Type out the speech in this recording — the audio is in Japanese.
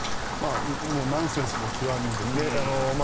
もうナンセンスの極みですね。